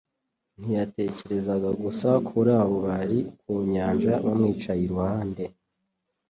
ntiyatekerezaga gusa kuri abo bari ku nyanja bamwicaye iruhande,